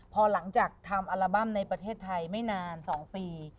พอหลังจากทำอัลบั้มในประเทศไทยไม่นาน๒ปี